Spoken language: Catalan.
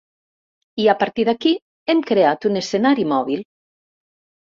I a partir d’aquí hem creat un escenari mòbil.